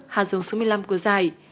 hạ dùng số một mươi năm của giải